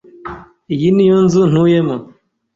Iyi ni yo nzu ntuyemo.